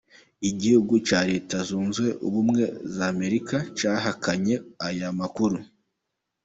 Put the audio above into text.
Igihugu cya Leta Zunze Ubumwe za Amerika cyahakanye aya makuru.